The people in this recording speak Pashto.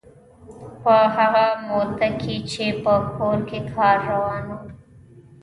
په هغه موده کې چې په کور کې کار روان و.